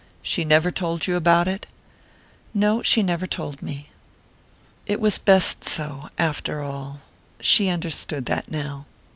"She never told you about it?" "No she never told me." It was best so, after all. She understood that now.